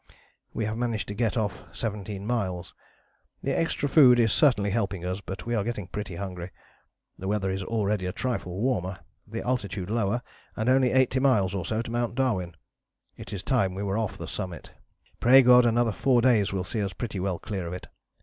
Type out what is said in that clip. We have managed to get off 17 miles. The extra food is certainly helping us, but we are getting pretty hungry. The weather is already a trifle warmer, the altitude lower and only 80 miles or so to Mount Darwin. It is time we were off the summit. Pray God another four days will see us pretty well clear of it.